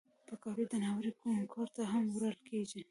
پکورې د ناوې کور ته هم وړل کېږي